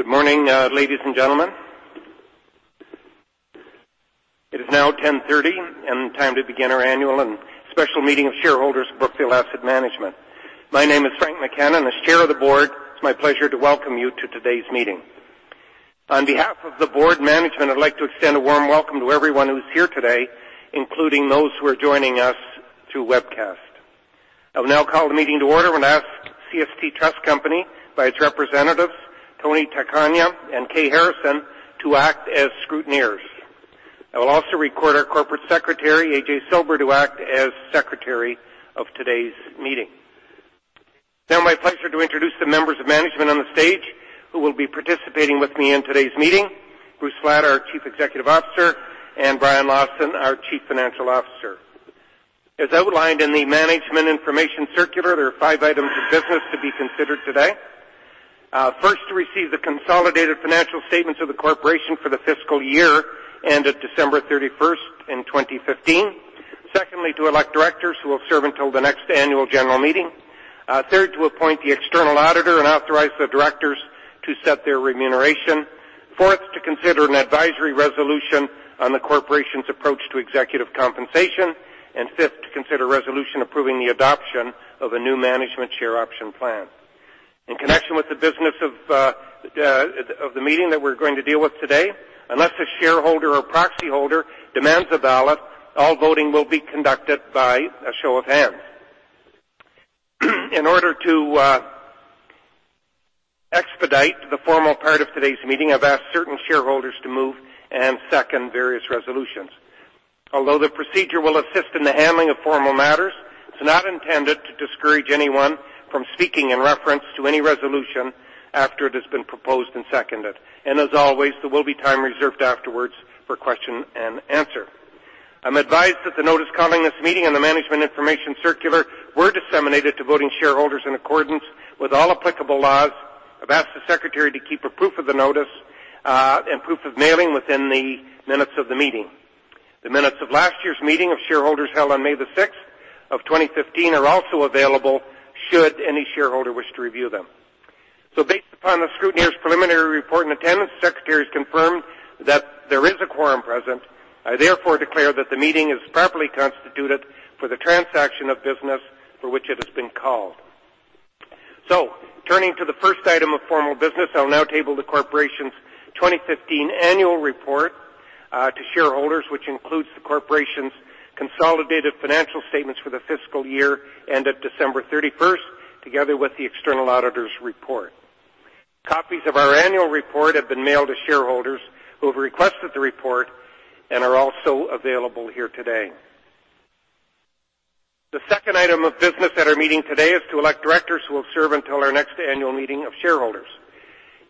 Good morning, ladies and gentlemen. It is now 10:30 and time to begin our annual and special meeting of shareholders, Brookfield Asset Management. My name is Frank McKenna, and as Chair of the Board, it's my pleasure to welcome you to today's meeting. On behalf of the board management, I'd like to extend a warm welcome to everyone who is here today, including those who are joining us through webcast. I will now call the meeting to order and ask CST Trust Company by its representatives, Tony DeCrescenzo and Kay Harrison, to act as scrutineers. I will also require our Corporate Secretary, A.J. Silber, to act as secretary of today's meeting. It's now my pleasure to introduce the members of management on the stage who will be participating with me in today's meeting, Bruce Flatt, our Chief Executive Officer, and Brian Lawson, our Chief Financial Officer. As outlined in the management information circular, there are five items of business to be considered today. First, to receive the consolidated financial statements of the corporation for the fiscal year ended December 31st in 2015. Secondly, to elect directors who will serve until the next annual general meeting. Third, to appoint the external auditor and authorize the directors to set their remuneration. Fourth, to consider an advisory resolution on the corporation's approach to executive compensation. Fifth, to consider a resolution approving the adoption of a new management share option plan. In connection with the business of the meeting that we're going to deal with today, unless a shareholder or proxy holder demands a ballot, all voting will be conducted by a show of hands. In order to expedite the formal part of today's meeting, I've asked certain shareholders to move and second various resolutions. Although the procedure will assist in the handling of formal matters, it's not intended to discourage anyone from speaking in reference to any resolution after it has been proposed and seconded. As always, there will be time reserved afterwards for question and answer. I'm advised that the notice calling this meeting and the management information circular were disseminated to voting shareholders in accordance with all applicable laws. I've asked the secretary to keep a proof of the notice, and proof of mailing within the minutes of the meeting. The minutes of last year's meeting of shareholders held on May the 6th of 2015 are also available should any shareholder wish to review them. Based upon the scrutineer's preliminary report and attendance, the secretary has confirmed that there is a quorum present. I therefore declare that the meeting is properly constituted for the transaction of business for which it has been called. Turning to the first item of formal business, I will now table the corporation's 2015 annual report to shareholders, which includes the corporation's consolidated financial statements for the fiscal year ended December 31st, together with the external auditor's report. Copies of our annual report have been mailed to shareholders who have requested the report and are also available here today. The second item of business at our meeting today is to elect directors who will serve until our next annual meeting of shareholders.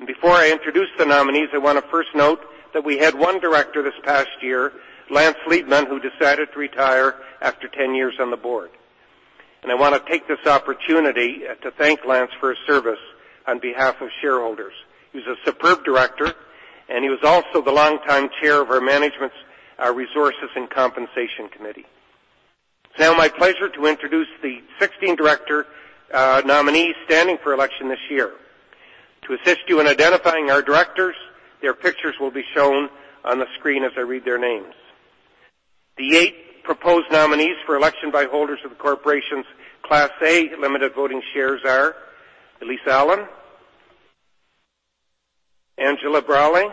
Before I introduce the nominees, I want to first note that we had one director this past year, Lance Liebman, who decided to retire after 10 years on the board. I want to take this opportunity to thank Lance for his service on behalf of shareholders. He was a superb director, and he was also the longtime chair of our Management Resources and Compensation Committee. It is now my pleasure to introduce the 16 director nominees standing for election this year. To assist you in identifying our directors, their pictures will be shown on the screen as I read their names. The eight proposed nominees for election by holders of the corporation's Class A limited voting shares are Elyse Allan, Angela Braly,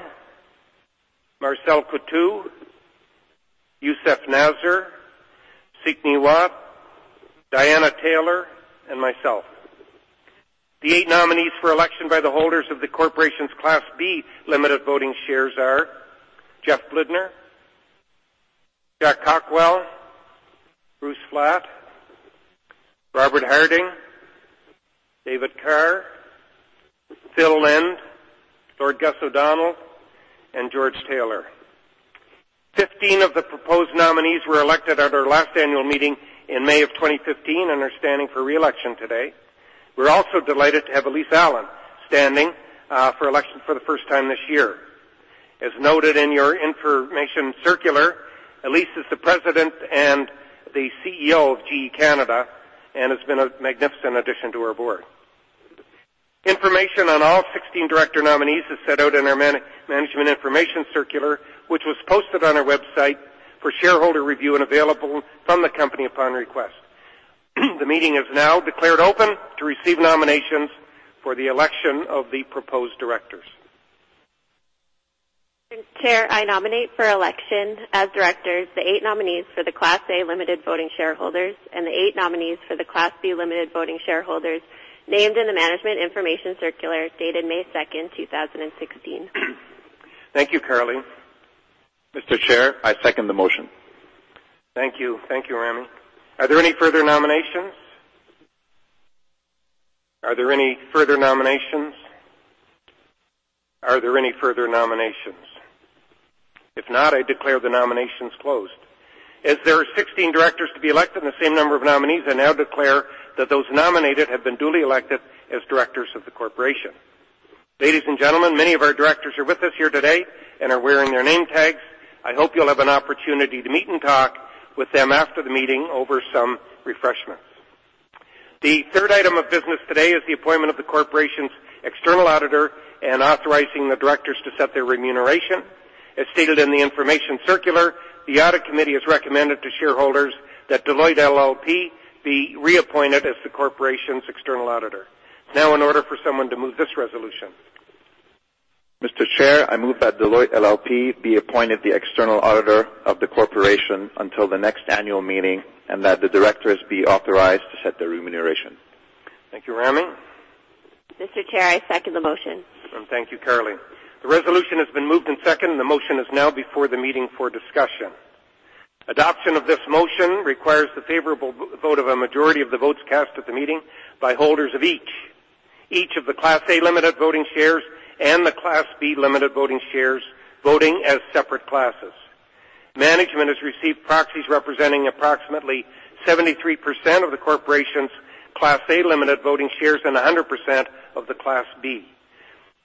Marcel Coutu, Youssef Nasr, Seek Ngee Huat, Diana Taylor, and myself. The eight nominees for election by the holders of the corporation's Class B limited voting shares are Jeffrey Blidner, Jack Cockwell, Bruce Flatt, Robert Harding, David Kerr, Phil Lind, Lord Gus O'Donnell, and George Taylor. Fifteen of the proposed nominees were elected at our last annual meeting in May of 2015 and are standing for re-election today. We are also delighted to have Elyse Allan standing for election for the first time this year. As noted in your information circular, Elyse is the president and the CEO of GE Canada and has been a magnificent addition to our board. Information on all 16 director nominees is set out in our management information circular, which was posted on our website for shareholder review and available from the company upon request. The meeting is now declared open to receive nominations for the election of the proposed directors. Mr. Chair, I nominate for election as directors the eight nominees for the Class A limited voting shareholders and the eight nominees for the Class B limited voting shareholders named in the management information circular dated May 2nd, 2016. Thank you, Carly. Mr. Chair, I second the motion. Thank you. Thank you, Ramy. Are there any further nominations? Are there any further nominations? Are there any further nominations? If not, I declare the nominations closed. As there are 16 directors to be elected and the same number of nominees, I now declare that those nominated have been duly elected as directors of the corporation. Ladies and gentlemen, many of our directors are with us here today and are wearing their name tags. I hope you'll have an opportunity to meet and talk with them after the meeting over some refreshments. The third item of business today is the appointment of the corporation's external auditor and authorizing the directors to set their remuneration. As stated in the information circular, the audit committee has recommended to shareholders that Deloitte LLP be reappointed as the corporation's external auditor. Now, in order for someone to move this resolution. Mr. Chair, I move that Deloitte LLP be appointed the external auditor of the corporation until the next annual meeting, and that the directors be authorized to set their remuneration. Thank you, Ramy. Mr. Chair, I second the motion. Thank you, Carly. The resolution has been moved and seconded. The motion is now before the meeting for discussion. Adoption of this motion requires the favorable vote of a majority of the votes cast at the meeting by holders of each of the Class A limited voting shares and the Class B limited voting shares, voting as separate classes. Management has received proxies representing approximately 73% of the corporation's Class A limited voting shares and 100% of the Class B.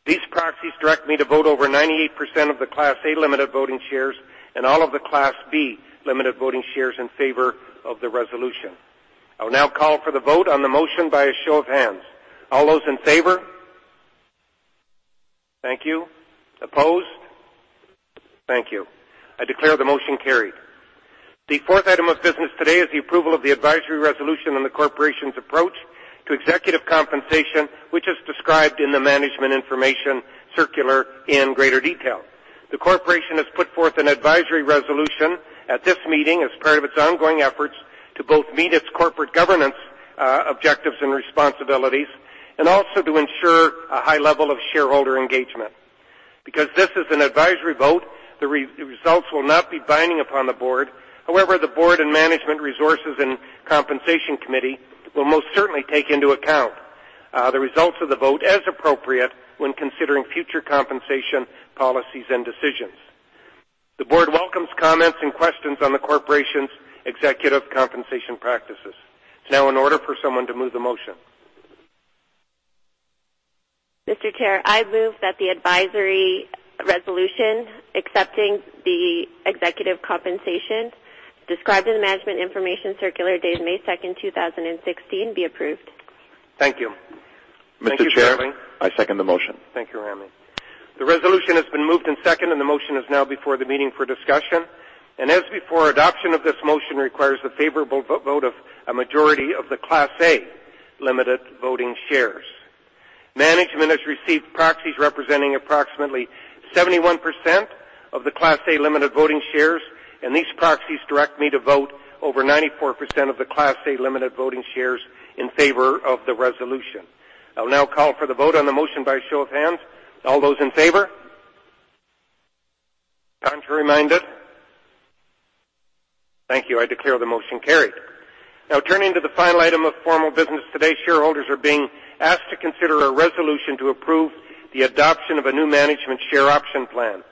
These proxies direct me to vote over 98% of the Class A limited voting shares and all of the Class B limited voting shares in favor of the resolution. I will now call for the vote on the motion by a show of hands. All those in favor. Thank you. Opposed. Thank you. I declare the motion carried. The fourth item of business today is the approval of the advisory resolution on the corporation's approach to executive compensation, which is described in the management information circular in greater detail. The corporation has put forth an advisory resolution at this meeting as part of its ongoing efforts to both meet its corporate governance objectives and responsibilities, and also to ensure a high level of shareholder engagement. Because this is an advisory vote, the results will not be binding upon the board. However, the board and Management Resources and Compensation Committee will most certainly take into account the results of the vote as appropriate when considering future compensation policies and decisions. The board welcomes comments and questions on the corporation's executive compensation practices. It's now in order for someone to move the motion. Mr. Chair, I move that the advisory resolution accepting the executive compensation described in the management information circular dated May 2nd, 2016, be approved. Thank you. Mr. Chair, I second the motion. Thank you, Ramy. The resolution has been moved and seconded, the motion is now before the meeting for discussion. As before, adoption of this motion requires the favorable vote of a majority of the Class A limited voting shares. Management has received proxies representing approximately 71% of the Class A limited voting shares, these proxies direct me to vote over 94% of the Class A limited voting shares in favor of the resolution. I will now call for the vote on the motion by a show of hands. All those in favor. Time to remind us. Thank you. I declare the motion carried. Turning to the final item of formal business. Today, shareholders are being asked to consider a resolution to approve the adoption of a new management share option plan.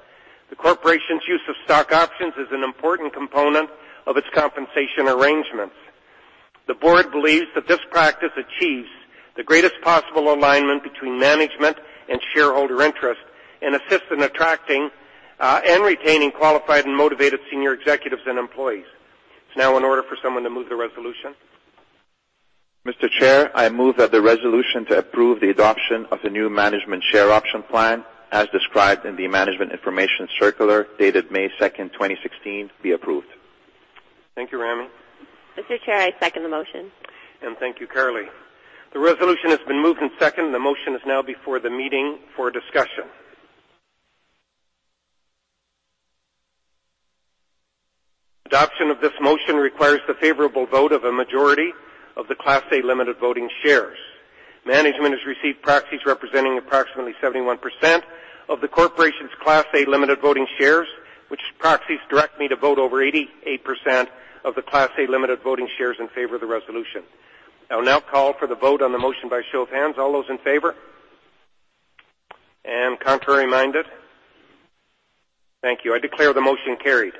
The corporation's use of stock options is an important component of its compensation arrangements. The board believes that this practice achieves the greatest possible alignment between management and shareholder interest and assists in attracting and retaining qualified and motivated senior executives and employees. It's now in order for someone to move the resolution. Mr. Chair, I move that the resolution to approve the adoption of the new management share option plan, as described in the management information circular dated May 2nd, 2016, be approved. Thank you, Ramy. Mr. Chair, I second the motion. Thank you, Carly. The resolution has been moved and seconded. The motion is now before the meeting for discussion. Adoption of this motion requires the favorable vote of a majority of the Class A limited voting shares. Management has received proxies representing approximately 71% of the corporation's Class A limited voting shares, which proxies direct me to vote over 88% of the Class A limited voting shares in favor of the resolution. I will now call for the vote on the motion by show of hands. All those in favor. Contrary-minded. Thank you. I declare the motion carried.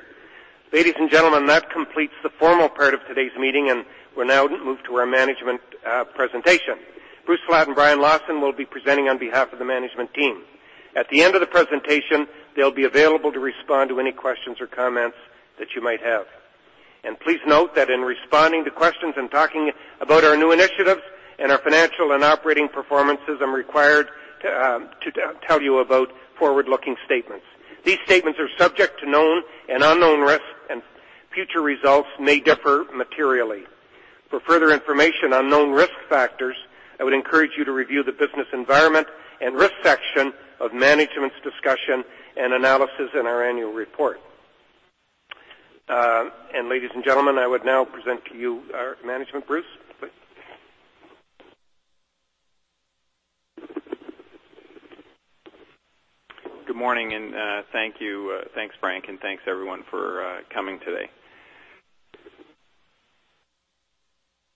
Ladies and gentlemen, that completes the formal part of today's meeting, and we'll now move to our management presentation. Bruce Flatt and Brian Lawson will be presenting on behalf of the management team. At the end of the presentation, they'll be available to respond to any questions or comments that you might have. Please note that in responding to questions and talking about our new initiatives and our financial and operating performances, I'm required to tell you about forward-looking statements. These statements are subject to known and unknown risks, and future results may differ materially. For further information on known risk factors, I would encourage you to review the Business Environment and Risk section of management's discussion and analysis in our annual report. Ladies and gentlemen, I would now present to you our management. Bruce. Good morning, thank you. Thanks, Frank, and thanks everyone for coming today.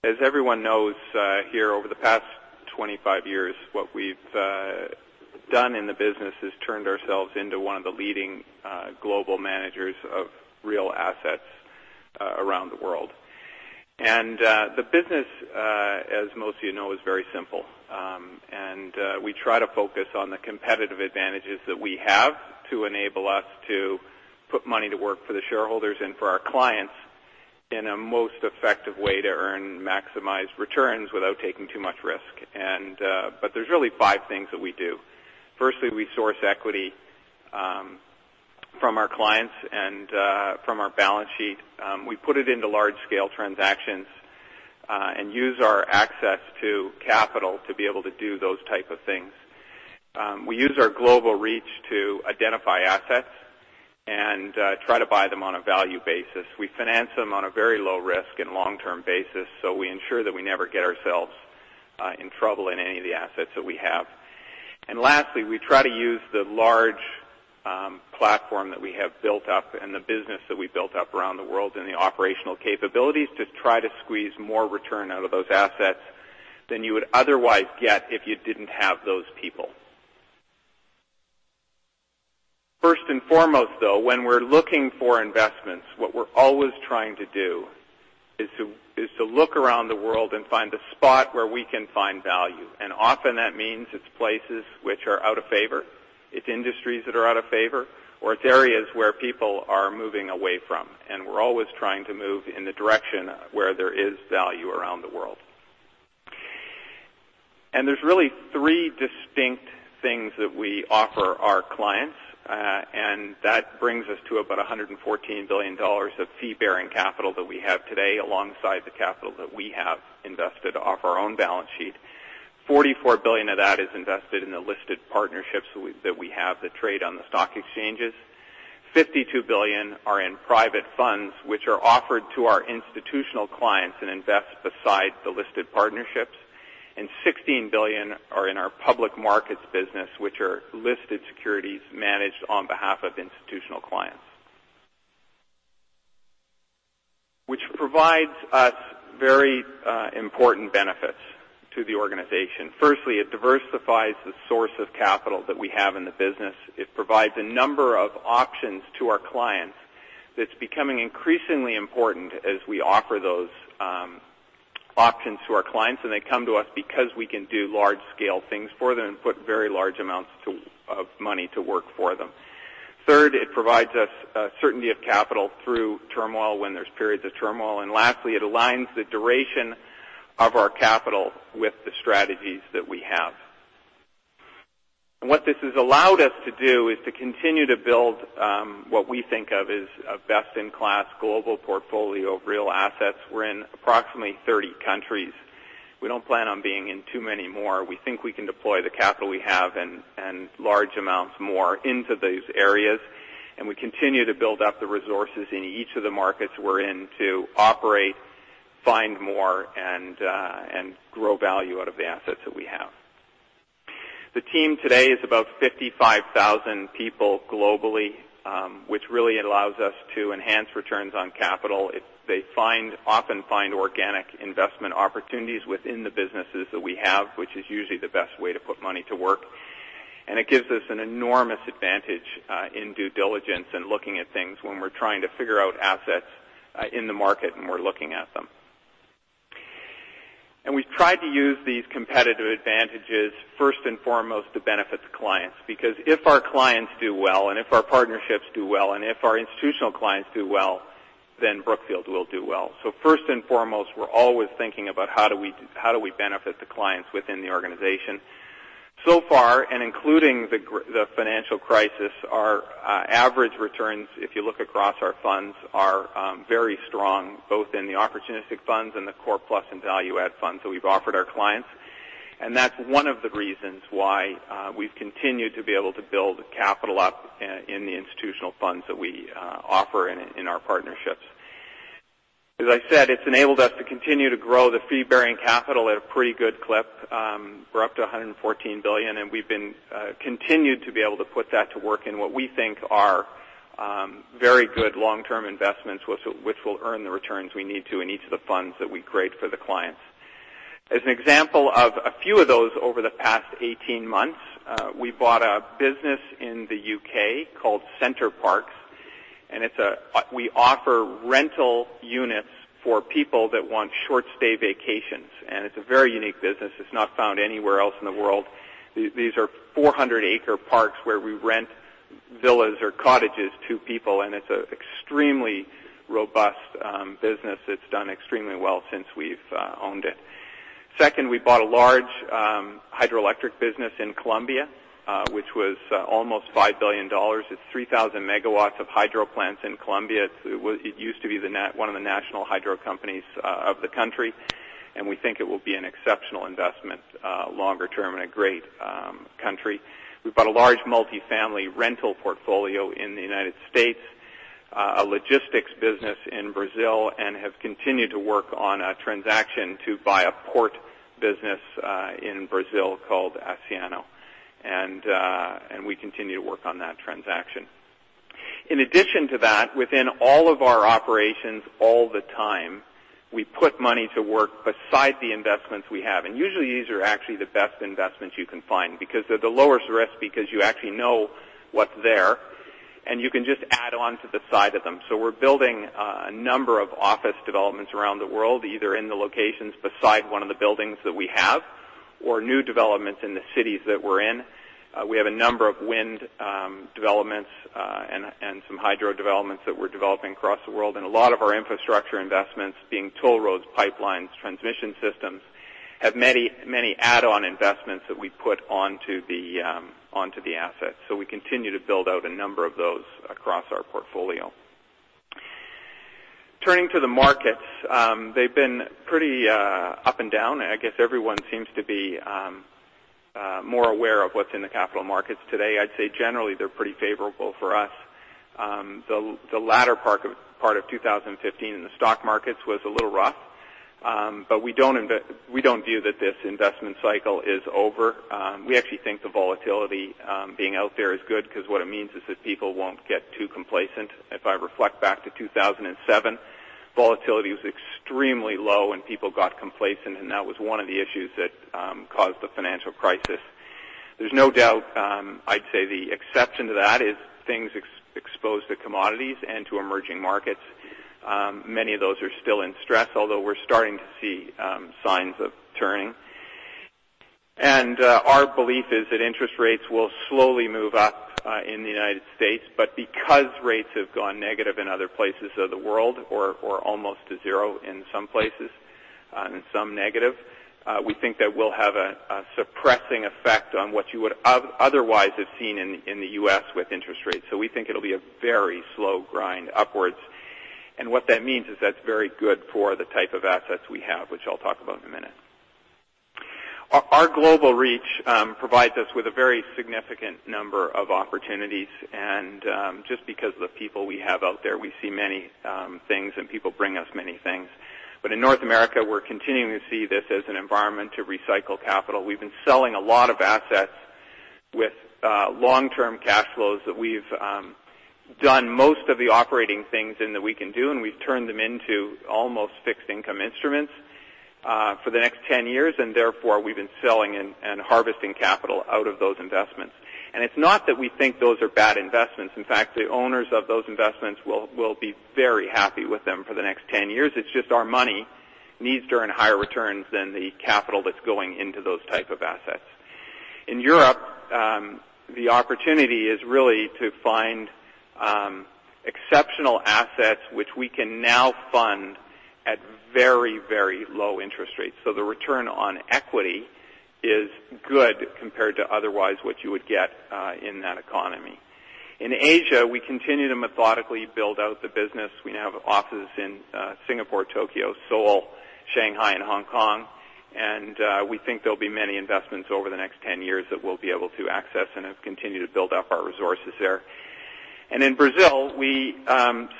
As everyone knows, here over the past 25 years, what we've done in the business is turned ourselves into one of the leading global managers of real assets around the world. The business, as most of you know, is very simple. We try to focus on the competitive advantages that we have to enable us to put money to work for the shareholders and for our clients in a most effective way to earn maximized returns without taking too much risk. There's really five things that we do. Firstly, we source equity from our clients and from our balance sheet. We put it into large-scale transactions and use our access to capital to be able to do those type of things. We use our global reach to identify assets and try to buy them on a value basis. We finance them on a very low risk and long-term basis, we ensure that we never get ourselves in trouble in any of the assets that we have. Lastly, we try to use the large platform that we have built up and the business that we built up around the world, and the operational capabilities to try to squeeze more return out of those assets than you would otherwise get if you didn't have those people. First and foremost, though, when we're looking for investments, what we're always trying to do is to look around the world and find a spot where we can find value. Often that means it's places which are out of favor, it's industries that are out of favor, or it's areas where people are moving away from. We're always trying to move in the direction where there is value around the world. There's really three distinct things that we offer our clients. That brings us to about $114 billion of fee-bearing capital that we have today, alongside the capital that we have invested off our own balance sheet. $44 billion of that is invested in the listed partnerships that we have that trade on the stock exchanges. $52 billion are in private funds, which are offered to our institutional clients and invest beside the listed partnerships. $16 billion are in our public markets business, which are listed securities managed on behalf of institutional clients. Which provides us very important benefits to the organization. Firstly, it diversifies the source of capital that we have in the business. It provides a number of options to our clients that's becoming increasingly important as we offer those options to our clients, and they come to us because we can do large-scale things for them and put very large amounts of money to work for them. Third, it provides us a certainty of capital through turmoil when there's periods of turmoil. Lastly, it aligns the duration of our capital with the strategies that we have. What this has allowed us to do is to continue to build what we think of as a best-in-class global portfolio of real assets. We're in approximately 30 countries. We don't plan on being in too many more. We think we can deploy the capital we have and large amounts more into those areas. We continue to build up the resources in each of the markets we're in to operate, find more, and grow value out of the assets that we have. The team today is about 55,000 people globally, which really allows us to enhance returns on capital. They often find organic investment opportunities within the businesses that we have, which is usually the best way to put money to work. It gives us an enormous advantage in due diligence and looking at things when we're trying to figure out assets in the market and we're looking at them. We've tried to use these competitive advantages first and foremost to benefit the clients. Because if our clients do well, and if our partnerships do well, and if our institutional clients do well, then Brookfield will do well. First and foremost, we're always thinking about how do we benefit the clients within the organization. Far, and including the financial crisis, our average returns, if you look across our funds, are very strong, both in the opportunistic funds and the core plus and value add funds that we've offered our clients. That's one of the reasons why we've continued to be able to build capital up in the institutional funds that we offer in our partnerships. As I said, it's enabled us to continue to grow the fee-bearing capital at a pretty good clip. We're up to $114 billion, and we've continued to be able to put that to work in what we think are very good long-term investments, which will earn the returns we need to in each of the funds that we create for the clients. As an example of a few of those over the past 18 months, we bought a business in the U.K. called Center Parcs. We offer rental units for people that want short stay vacations. It's a very unique business. It's not found anywhere else in the world. These are 400-acre parks where we rent villas or cottages to people, and it's an extremely robust business that's done extremely well since we've owned it. Second, we bought a large hydroelectric business in Colombia, which was almost $5 billion. It's 3,000 megawatts of hydro plants in Colombia. It used to be one of the national hydro companies of the country. We think it will be an exceptional investment longer term in a great country. We bought a large multi-family rental portfolio in the U.S., a logistics business in Brazil, and have continued to work on a transaction to buy a port business in Brazil called Asciano. We continue to work on that transaction. In addition to that, within all of our operations all the time, we put money to work beside the investments we have. Usually, these are actually the best investments you can find, because they're the lowest risk because you actually know what's there, and you can just add on to the side of them. We're building a number of office developments around the world, either in the locations beside one of the buildings that we have or new developments in the cities that we're in. We have a number of wind developments and some hydro developments that we're developing across the world. A lot of our infrastructure investments being toll roads, pipelines, transmission systems, have many add-on investments that we put onto the asset. We continue to build out a number of those across our portfolio. Turning to the markets. They've been pretty up and down. I guess everyone seems to be more aware of what's in the capital markets today. I'd say generally they're pretty favorable for us. The latter part of 2015 in the stock markets was a little rough. We don't view that this investment cycle is over. We actually think the volatility being out there is good because what it means is that people won't get too complacent. If I reflect back to 2007, volatility was extremely low and people got complacent, and that was one of the issues that caused the financial crisis. There's no doubt, I'd say the exception to that is things exposed to commodities and to emerging markets. Many of those are still in stress, although we're starting to see signs of turning. Our belief is that interest rates will slowly move up in the U.S., but because rates have gone negative in other places of the world, or almost to zero in some places, and some negative, we think that we'll have a suppressing effect on what you would otherwise have seen in the U.S. with interest rates. We think it'll be a very slow grind upwards. What that means is that's very good for the type of assets we have, which I'll talk about in a minute. Our global reach provides us with a very significant number of opportunities. Just because of the people we have out there, we see many things and people bring us many things. In North America, we're continuing to see this as an environment to recycle capital. We've been selling a lot of assets with long-term cash flows that we've done most of the operating things in that we can do, and we've turned them into almost fixed income instruments, for the next 10 years. Therefore, we've been selling and harvesting capital out of those investments. It's not that we think those are bad investments. In fact, the owners of those investments will be very happy with them for the next 10 years. It's just our money needs to earn higher returns than the capital that's going into those type of assets. The opportunity is really to find exceptional assets which we can now fund at very low interest rates. The return on equity is good compared to otherwise what you would get in that economy. In Asia, we continue to methodically build out the business. We now have offices in Singapore, Tokyo, Seoul, Shanghai, and Hong Kong. We think there'll be many investments over the next 10 years that we'll be able to access and have continued to build up our resources there. In Brazil, we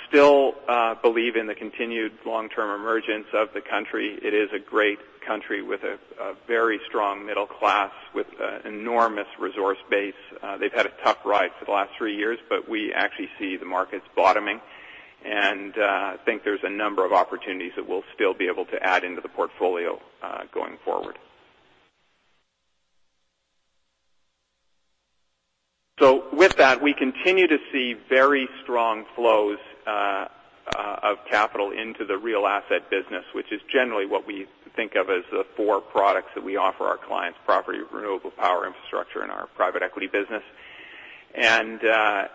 still believe in the continued long-term emergence of the country. It is a great country with a very strong middle class, with enormous resource base. They've had a tough ride for the last three years, we actually see the markets bottoming. I think there's a number of opportunities that we'll still be able to add into the portfolio going forward. With that, we continue to see very strong flows of capital into the real asset business, which is generally what we think of as the four products that we offer our clients, property, renewable power, infrastructure, and our private equity business. There's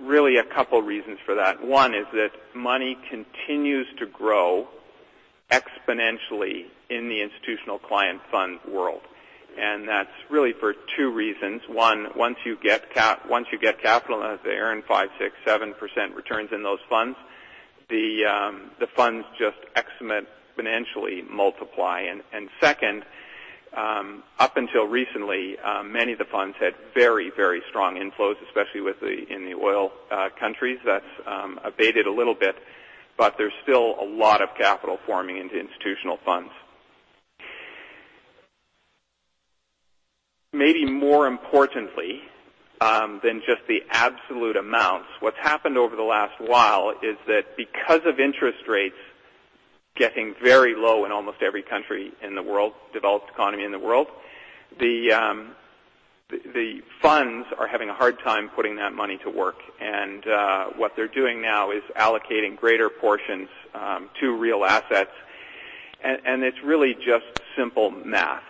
really a couple reasons for that. One is that money continues to grow exponentially in the institutional client fund world. That's really for two reasons. One, once you get capital, if they earn 5%, 6%, 7% returns in those funds, the funds just exponentially multiply. Second, up until recently, many of the funds had very strong inflows, especially in the oil countries. That's abated a little bit, there's still a lot of capital forming into institutional funds. Maybe more importantly than just the absolute amounts, what's happened over the last while is that because of interest rates getting very low in almost every country in the world, developed economy in the world, the funds are having a hard time putting that money to work. What they're doing now is allocating greater portions to real assets. It's really just simple math.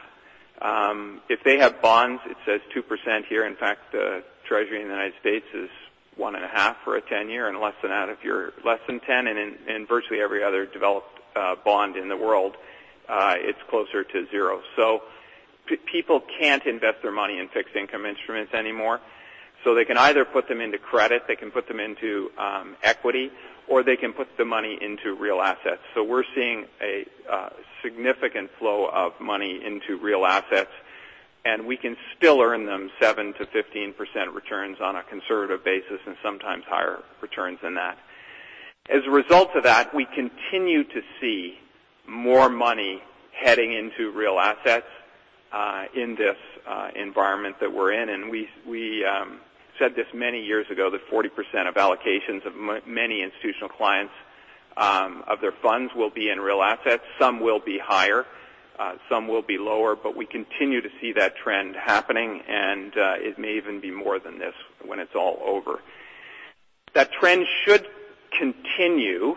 If they have bonds, it says 2% here. In fact, the Treasury in the United States is one and a half for a 10-year, and less than that if you're less than 10. In virtually every other developed bond in the world, it's closer to zero. People can't invest their money in fixed income instruments anymore. They can either put them into credit, they can put them into equity, or they can put the money into real assets. We're seeing a significant flow of money into real assets. We can still earn them 7%-15% returns on a conservative basis and sometimes higher returns than that. As a result of that, we continue to see more money heading into real assets, in this environment that we're in. We said this many years ago, that 40% of allocations of many institutional clients of their funds will be in real assets. Some will be higher, some will be lower, we continue to see that trend happening, and it may even be more than this when it's all over. That trend should continue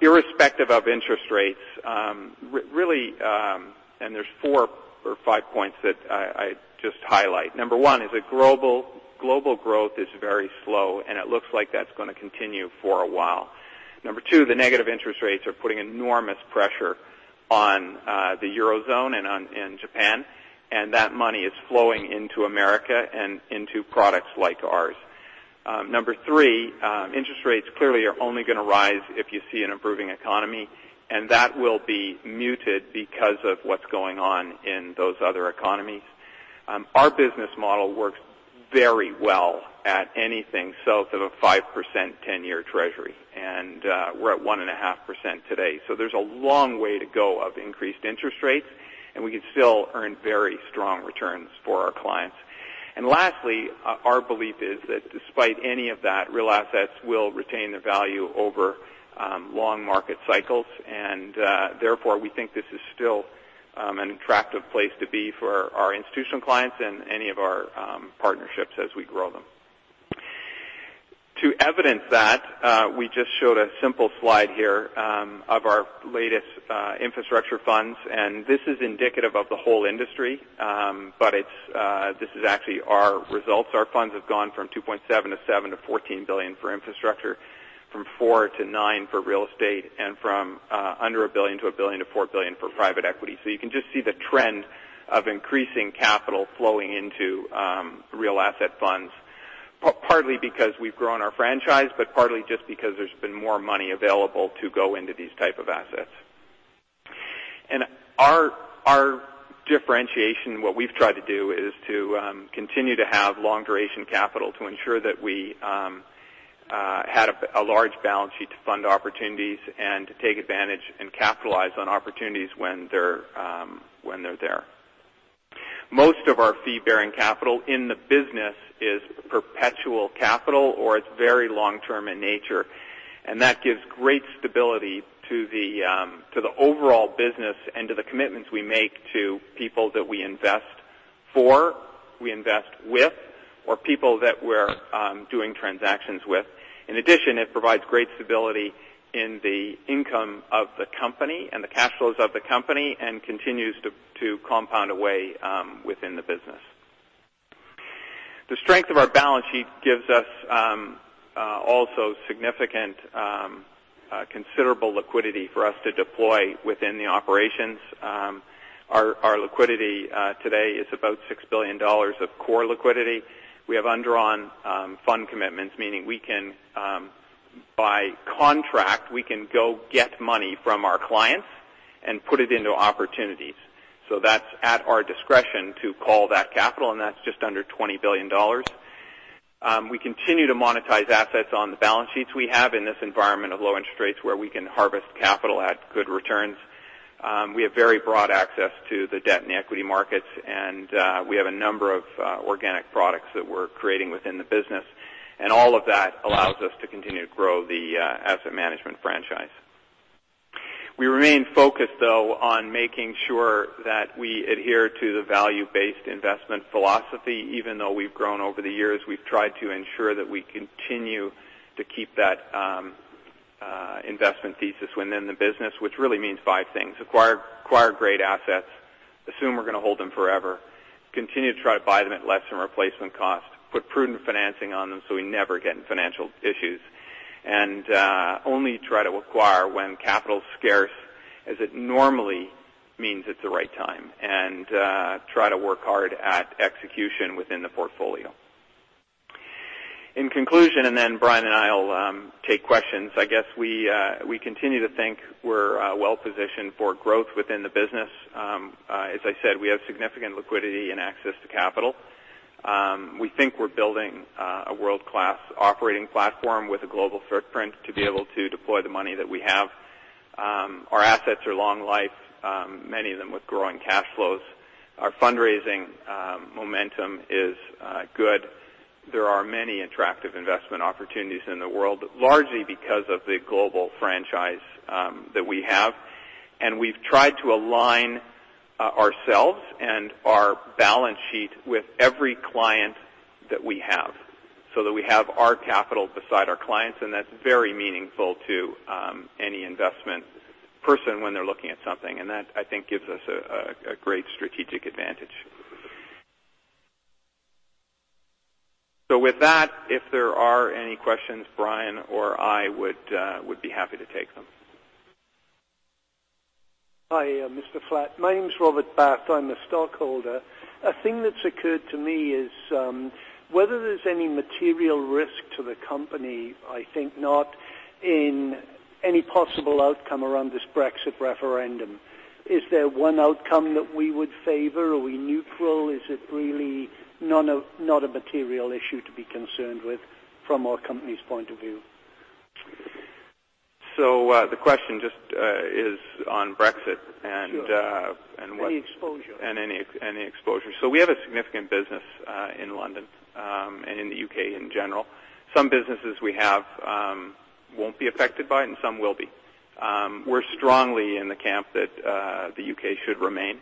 irrespective of interest rates. There's four or five points that I just highlight. Number one is that global growth is very slow, it looks like that's going to continue for a while. Number 2, the negative interest rates are putting enormous pressure on the Eurozone and in Japan. That money is flowing into America and into products like ours. Number 3, interest rates clearly are only going to rise if you see an improving economy. That will be muted because of what's going on in those other economies. Our business model works very well at anything south of a 5% 10-year treasury, and we're at 1.5% today. There's a long way to go of increased interest rates, and we can still earn very strong returns for our clients. Lastly, our belief is that despite any of that, real assets will retain their value over long market cycles. Therefore we think this is still an attractive place to be for our institutional clients and any of our partnerships as we grow them. To evidence that, we just showed a simple slide here of our latest infrastructure funds. This is indicative of the whole industry. This is actually our results. Our funds have gone from $2.7 billion to $7 billion to $14 billion for infrastructure, from $4 billion to $9 billion for real estate, and from under $1 billion to $1 billion to $4 billion for private equity. You can just see the trend of increasing capital flowing into real asset funds, partly because we've grown our franchise, but partly just because there's been more money available to go into these type of assets. Our differentiation, what we've tried to do is to continue to have long duration capital to ensure that we had a large balance sheet to fund opportunities and to take advantage and capitalize on opportunities when they're there. Most of our fee-bearing capital in the business is perpetual capital, or it's very long-term in nature. That gives great stability to the overall business and to the commitments we make to people that we invest for, we invest with, or people that we're doing transactions with. In addition, it provides great stability in the income of the company and the cash flows of the company and continues to compound away within the business. The strength of our balance sheet gives us also significant considerable liquidity for us to deploy within the operations. Our liquidity today is about $6 billion of core liquidity. We have undrawn fund commitments, meaning by contract, we can go get money from our clients and put it into opportunities. That's at our discretion to call that capital, and that's just under $20 billion. We continue to monetize assets on the balance sheets we have in this environment of low interest rates where we can harvest capital at good returns. We have very broad access to the debt and equity markets, and we have a number of organic products that we're creating within the business. All of that allows us to continue to grow the asset management franchise. We remain focused, though, on making sure that we adhere to the value-based investment philosophy. Even though we've grown over the years, we've tried to ensure that we continue to keep that investment thesis within the business, which really means five things. Acquire great assets, assume we're going to hold them forever, continue to try to buy them at less than replacement cost, put prudent financing on them so we never get in financial issues, and only try to acquire when capital is scarce as it normally means it's the right time, and try to work hard at execution within the portfolio. In conclusion, Brian and I will take questions. I guess we continue to think we're well positioned for growth within the business. As I said, we have significant liquidity and access to capital. We think we're building a world-class operating platform with a global footprint to be able to deploy the money that we have. Our assets are long life, many of them with growing cash flows. Our fundraising momentum is good. There are many attractive investment opportunities in the world, largely because of the global franchise that we have. We've tried to align ourselves and our balance sheet with every client that we have so that we have our capital beside our clients, and that's very meaningful to any investment person when they're looking at something. That, I think, gives us a great strategic advantage. With that, if there are any questions, Brian or I would be happy to take them. Hi, Mr. Flatt. My name's Robert Bart. I'm a stockholder. A thing that's occurred to me is whether there's any material risk to the company, I think not, in any possible outcome around this Brexit referendum. Is there one outcome that we would favor? Are we neutral? Is it really not a material issue to be concerned with from our company's point of view? The question just is on Brexit and what- Sure. Any exposure. Any exposure. We have a significant business in London, and in the U.K. in general. Some businesses we have won't be affected by it, and some will be. We're strongly in the camp that the U.K. should remain.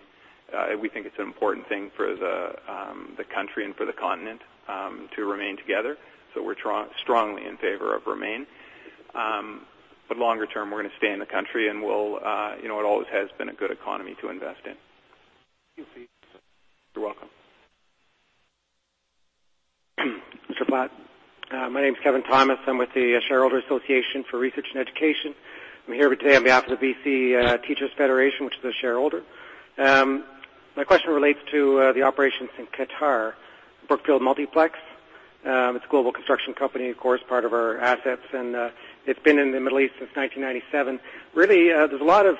We think it's an important thing for the country and for the continent to remain together. We're strongly in favor of remain. Longer term, we're going to stay in the country, and it always has been a good economy to invest in. Thank you. You're welcome. Mr. Flatt. My name is Kevin Thomas. I'm with the Shareholder Association for Research and Education. I'm here today on behalf of the British Columbia Teachers' Federation, which is a shareholder. My question relates to the operations in Qatar. Brookfield Multiplex, it's a global construction company, of course, part of our assets, and it's been in the Middle East since 1997. Really, there's a lot of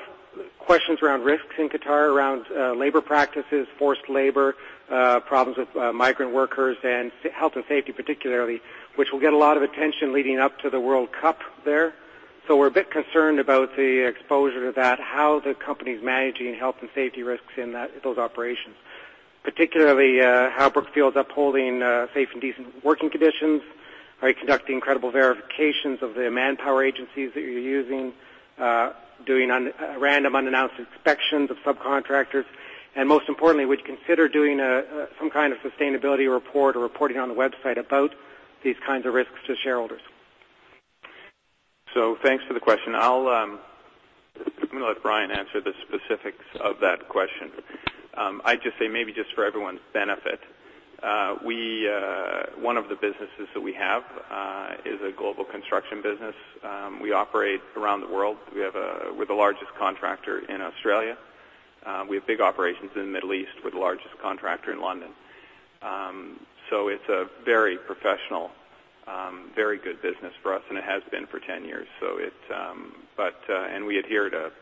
questions around risks in Qatar, around labor practices, forced labor, problems with migrant workers, and health and safety particularly, which will get a lot of attention leading up to the World Cup there. We're a bit concerned about the exposure to that, how the company's managing health and safety risks in those operations. Particularly, how Brookfield's upholding safe and decent working conditions by conducting credible verifications of the manpower agencies that you're using, doing random unannounced inspections of subcontractors, and most importantly, would consider doing some kind of sustainability report or reporting on the website about these kinds of risks to shareholders. Thanks for the question. I'm going to let Brian answer the specifics of that question. I'd just say maybe just for everyone's benefit. One of the businesses that we have is a global construction business. We operate around the world. We're the largest contractor in Australia. We have big operations in the Middle East. We're the largest contractor in London. It's a very professional, very good business for us, and it has been for 10 years. We adhere to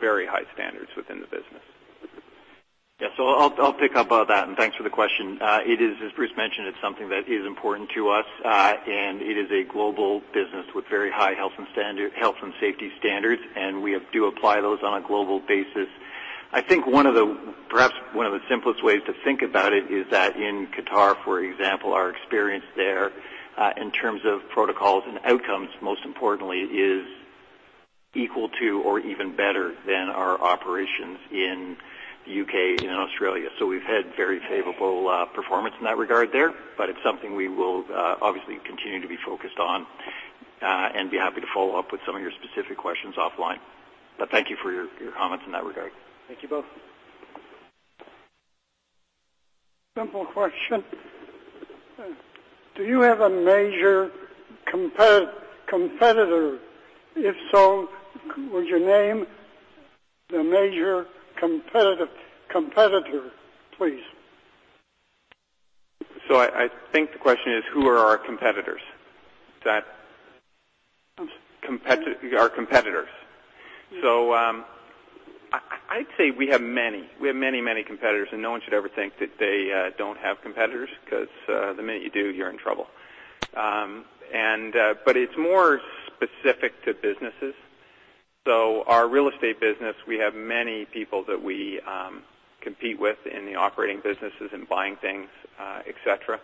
very high standards within the business. Yeah. I'll pick up on that, thanks for the question. It is, as Bruce mentioned, it's something that is important to us, and it is a global business with very high health and safety standards, and we do apply those on a global basis. I think perhaps one of the simplest ways to think about it is that in Qatar, for example, our experience there, in terms of protocols and outcomes, most importantly, is equal to or even better than our operations in the U.K. and Australia. We've had very favorable performance in that regard there, but it's something we will obviously continue to be focused on, be happy to follow up with some of your specific questions offline. Thank you for your comments in that regard. Thank you both. Simple question. Do you have a major competitor? If so, would you name the major competitor, please? I think the question is, who are our competitors? Is that? Yes. Our competitors. Yes. I'd say we have many. We have many competitors, and no one should ever think that they don't have competitors because the minute you do, you're in trouble. It's more specific to businesses. Our real estate business, we have many people that we compete with in the operating businesses and buying things, et cetera.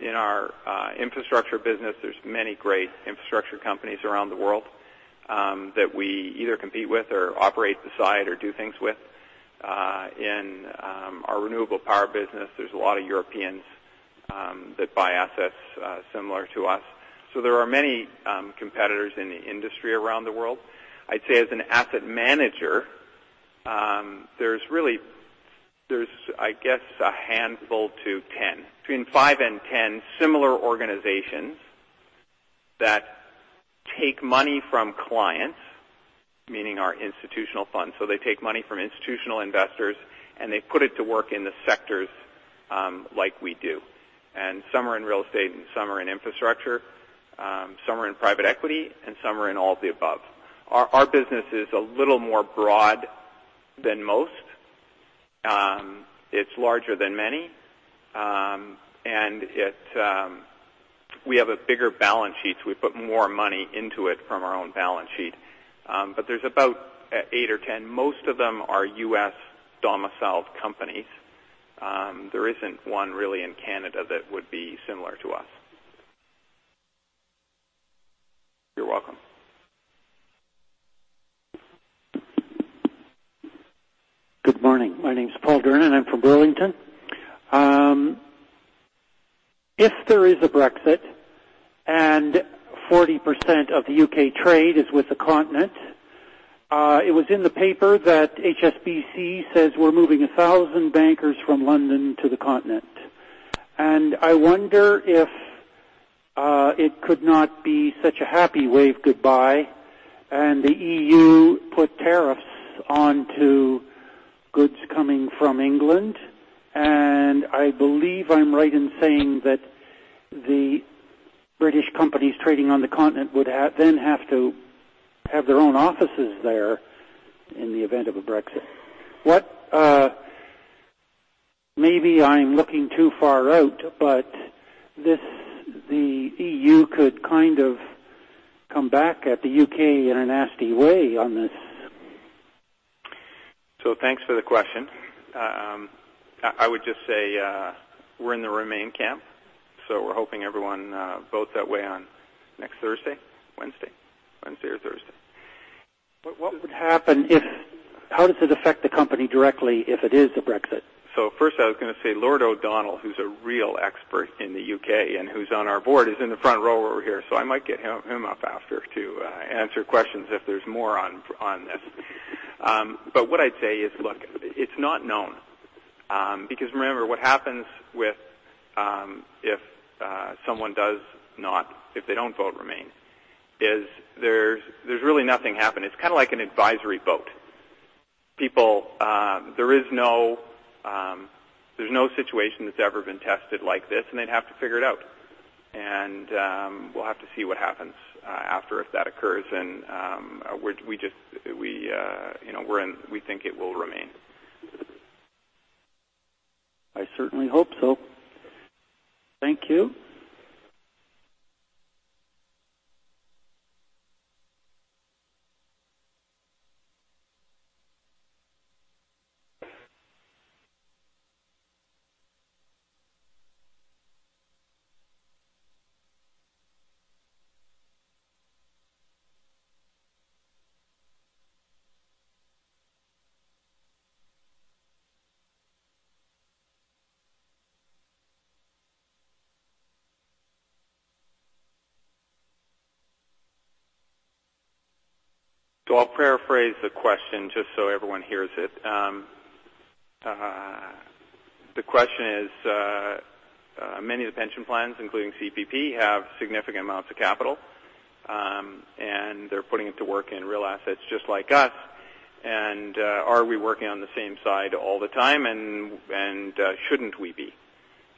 In our infrastructure business, there's many great infrastructure companies around the world that we either compete with or operate beside or do things with. In our renewable power business, there's a lot of Europeans that buy assets similar to us. There are many competitors in the industry around the world. I'd say as an asset manager, there's, I guess, a handful to 10. Between five and 10 similar organizations that take money from clients, meaning our institutional funds. They take money from institutional investors, and they put it to work in the sectors like we do. Some are in real estate, and some are in infrastructure, some are in private equity, and some are in all the above. Our business is a little more broad than most. It's larger than many. We have a bigger balance sheet, so we put more money into it from our own balance sheet. There's about eight or 10. Most of them are U.S.-domiciled companies. There isn't one really in Canada that would be similar to us. You're welcome. Good morning. My name's Paul Durnin. I'm from Burlington. If there is a Brexit and 40% of the U.K. trade is with the continent, it was in the paper that HSBC says we're moving 1,000 bankers from London to the continent. I wonder if it could not be such a happy wave goodbye, and the EU put tariffs onto goods coming from England. I believe I'm right in saying that the British companies trading on the continent would then have to have their own offices there in the event of a Brexit. Maybe I'm looking too far out, but the EU could kind of come back at the U.K. in a nasty way on this. Thanks for the question. I would just say we're in the remain camp, we're hoping everyone votes that way on next Thursday? Wednesday. Wednesday or Thursday. How does it affect the company directly if it is the Brexit? First, I was going to say Lord O'Donnell, who's a real expert in the U.K. and who's on our board, is in the front row over here. I might get him up after to answer questions if there's more on this. What I'd say is look, it's not known. Remember what happens if they don't vote remain, is there's really nothing happening. It's kind of like an advisory vote. There's no situation that's ever been tested like this, and they'd have to figure it out. We'll have to see what happens after if that occurs. We think it will remain. I certainly hope so. Thank you. I'll paraphrase the question just so everyone hears it. The question is, many of the pension plans, including CPP, have significant amounts of capital. They're putting it to work in real assets just like us. Are we working on the same side all the time, and shouldn't we be?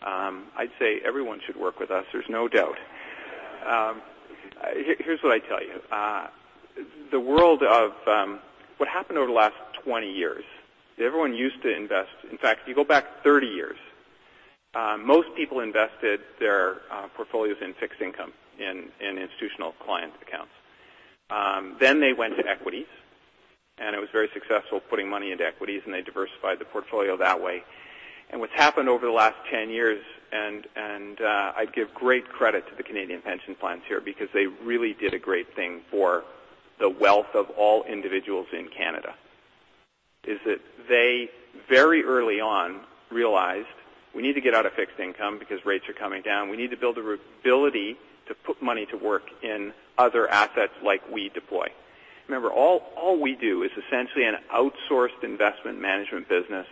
I'd say everyone should work with us, there's no doubt. Here's what I tell you. What happened over the last 20 years, everyone used to invest. In fact, you go back 30 years. Most people invested their portfolios in fixed income in institutional client accounts. They went to equities, and it was very successful putting money into equities, and they diversified the portfolio that way. What's happened over the last 10 years, and I give great credit to the Canadian pension plans here because they really did a great thing for the wealth of all individuals in Canada, is that they very early on realized we need to get out of fixed income because rates are coming down. We need to build the ability to put money to work in other assets like we deploy. Remember, all we do is essentially an outsourced investment management business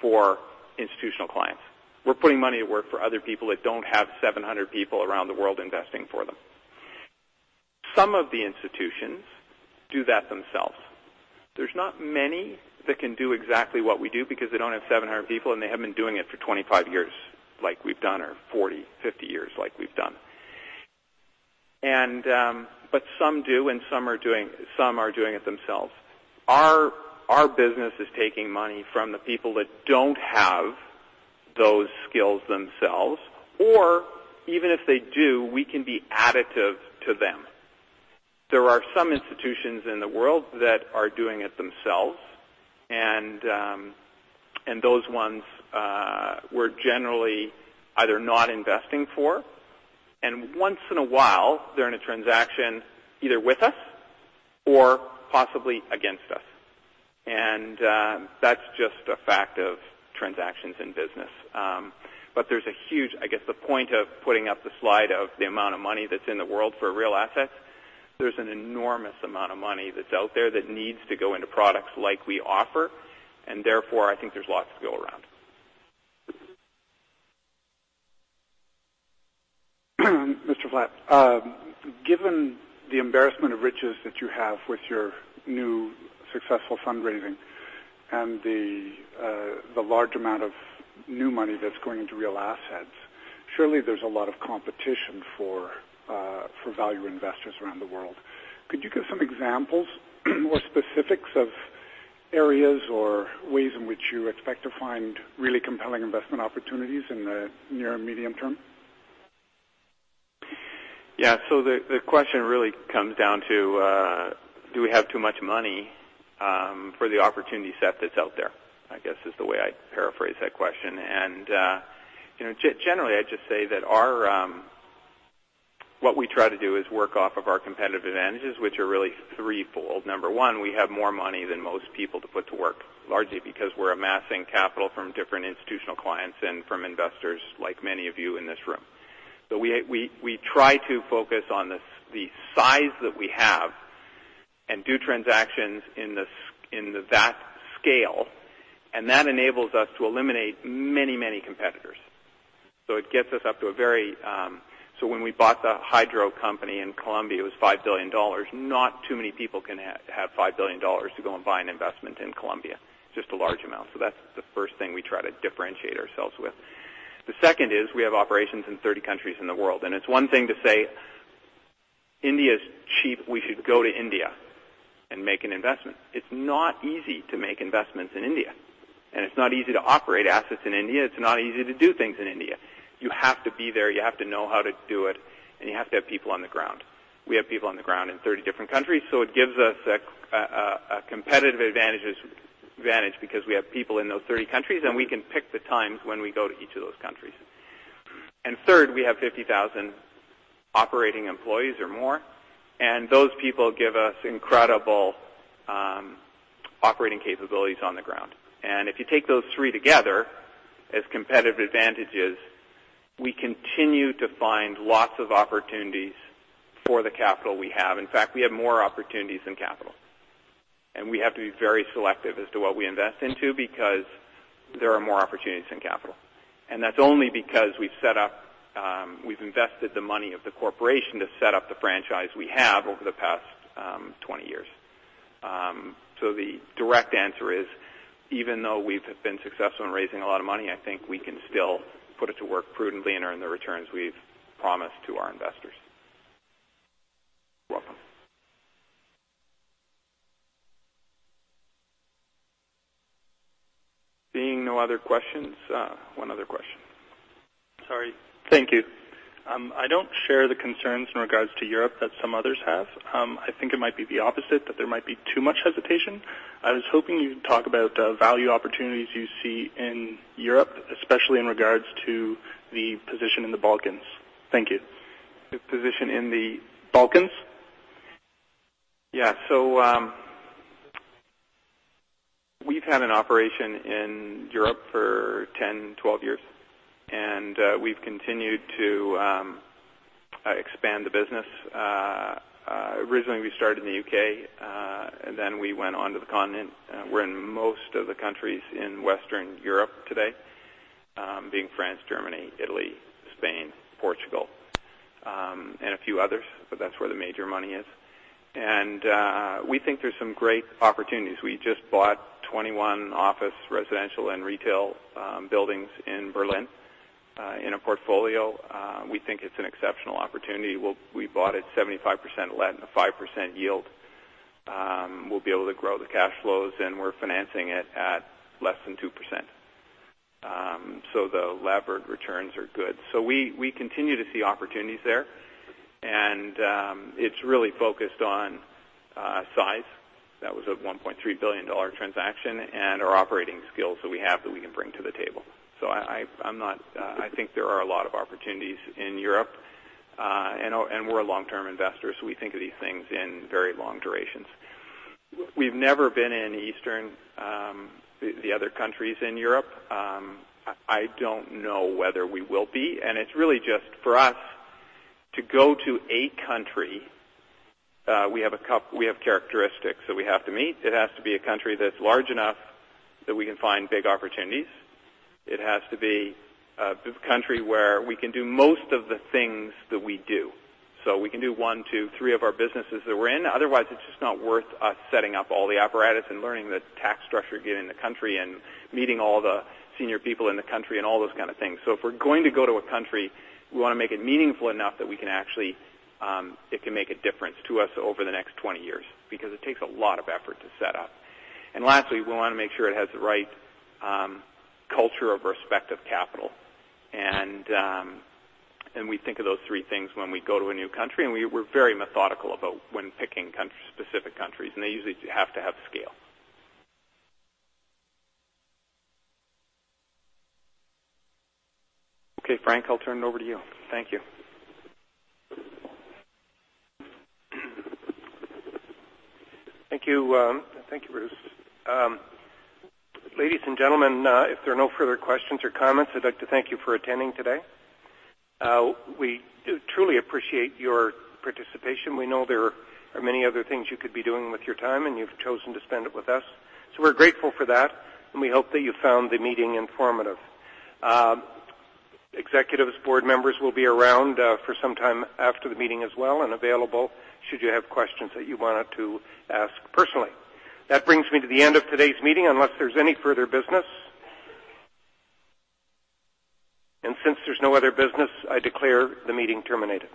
for institutional clients. We're putting money to work for other people that don't have 700 people around the world investing for them. Some of the institutions do that themselves. There's not many that can do exactly what we do because they don't have 700 people, and they haven't been doing it for 25 years like we've done, or 40, 50 years like we've done. Some do, and some are doing it themselves. Our business is taking money from the people that don't have those skills themselves, or even if they do, we can be additive to them. There are some institutions in the world that are doing it themselves, and those ones we're generally either not investing for, and once in a while, they're in a transaction either with us or possibly against us. That's just a fact of transactions in business. There's a huge, I guess, the point of putting up the slide of the amount of money that's in the world for real assets. There's an enormous amount of money that's out there that needs to go into products like we offer, and therefore, I think there's lots to go around. Mr. Flatt. Given the embarrassment of riches that you have with your new successful fundraising and the large amount of new money that's going into real assets, surely there's a lot of competition for value investors around the world. Could you give some examples or specifics of areas or ways in which you expect to find really compelling investment opportunities in the near and medium term? The question really comes down to do we have too much money for the opportunity set that's out there, I guess is the way I'd paraphrase that question. Generally, I'd just say that what we try to do is work off of our competitive advantages, which are really threefold. Number 1, we have more money than most people to put to work, largely because we're amassing capital from different institutional clients and from investors like many of you in this room. We try to focus on the size that we have and do transactions in that scale, and that enables us to eliminate many competitors. When we bought the hydro company in Colombia, it was $5 billion. Not too many people can have $5 billion to go and buy an investment in Colombia. Just a large amount. That's the first thing we try to differentiate ourselves with. The second is we have operations in 30 countries in the world. It's one thing to say, "India is cheap. We should go to India and make an investment." It's not easy to make investments in India. It's not easy to operate assets in India. It's not easy to do things in India. You have to be there, you have to know how to do it, and you have to have people on the ground. We have people on the ground in 30 different countries, so it gives us a competitive advantage because we have people in those 30 countries, and we can pick the times when we go to each of those countries. Third, we have 50,000 operating employees or more, and those people give us incredible operating capabilities on the ground. If you take those three together as competitive advantages, we continue to find lots of opportunities for the capital we have. In fact, we have more opportunities than capital. We have to be very selective as to what we invest into because there are more opportunities than capital. That's only because we've invested the money of the corporation to set up the franchise we have over the past 20 years. The direct answer is, even though we've been successful in raising a lot of money, I think we can still put it to work prudently and earn the returns we've promised to our investors. You're welcome. Seeing no other questions. One other question. Sorry. Thank you. I don't share the concerns in regards to Europe that some others have. I think it might be the opposite, that there might be too much hesitation. I was hoping you'd talk about the value opportunities you see in Europe, especially in regards to the position in the Balkans. Thank you. The position in the Balkans? Yeah. We've had an operation in Europe for 10, 12 years, we've continued to expand the business. Originally, we started in the U.K., we went on to the continent. We're in most of the countries in Western Europe today, being France, Germany, Italy, Spain, Portugal, and a few others, but that's where the major money is. We think there's some great opportunities. We just bought 21 office, residential, and retail buildings in Berlin in a portfolio. We think it's an exceptional opportunity. We bought it 75% let and a 5% yield. We'll be able to grow the cash flows, and we're financing it at less than 2%. The levered returns are good. We continue to see opportunities there, and it's really focused on size. That was a $1.3 billion transaction, our operating skills that we have that we can bring to the table. I think there are a lot of opportunities in Europe. We're a long-term investor, we think of these things in very long durations. We've never been in the other countries in Europe. I don't know whether we will be, it's really just for us to go to a country, we have characteristics that we have to meet. It has to be a country that's large enough that we can find big opportunities. It has to be a country where we can do most of the things that we do. We can do one, two, three of our businesses that we're in. Otherwise, it's just not worth us setting up all the apparatus and learning the tax structure, getting in the country, and meeting all the senior people in the country, and all those kind of things. If we're going to go to a country, we want to make it meaningful enough that it can make a difference to us over the next 20 years, because it takes a lot of effort to set up. Lastly, we want to make sure it has the right culture of respective capital. We think of those three things when we go to a new country, we're very methodical about when picking specific countries, they usually have to have scale. Okay, Frank, I'll turn it over to you. Thank you. Thank you, Bruce. Ladies and gentlemen, if there are no further questions or comments, I'd like to thank you for attending today. We truly appreciate your participation. We know there are many other things you could be doing with your time, and you've chosen to spend it with us. We're grateful for that, and we hope that you found the meeting informative. Executives, board members will be around for some time after the meeting as well and available should you have questions that you wanted to ask personally. That brings me to the end of today's meeting, unless there's any further business. Since there's no other business, I declare the meeting terminated.